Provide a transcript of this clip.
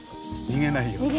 逃げないように。